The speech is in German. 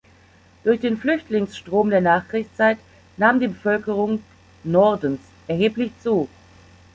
Durch den Flüchtlingsstrom der Nachkriegszeit nahm die Bevölkerung Nordens erheblich zu.